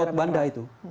itu di laut banda itu